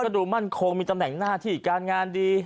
ดูมั่นคงมีตำแหน่งหน้าที่การงานดี